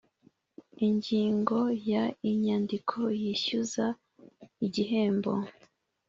Ingingo ya inyandiko yishyuza igihembo